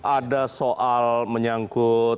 ada soal menyangkut